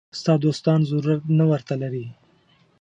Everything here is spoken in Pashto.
ستا دوستان ضرورت نه ورته لري.